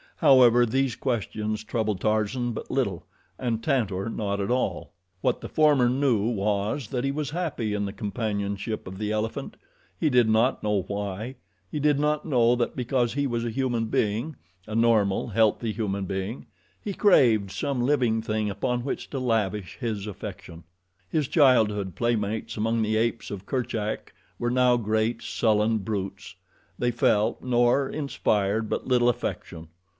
However, these questions troubled Tarzan but little, and Tantor not at all. What the former knew was that he was happy in the companionship of the elephant. He did not know why. He did not know that because he was a human being a normal, healthy human being he craved some living thing upon which to lavish his affection. His childhood playmates among the apes of Kerchak were now great, sullen brutes. They felt nor inspired but little affection.